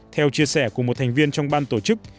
theo chia sẻ của một thành viên trong ban tổ chức